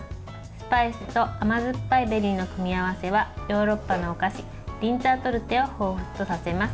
スパイスと甘酸っぱいベリーの組み合わせはヨーロッパのお菓子リンツァートルテをほうふつとさせます。